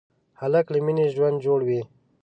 هلک له مینې ژوند جوړوي.